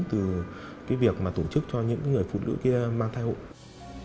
từ việc tổ chức cho những người phụ nữ kia mang thai hội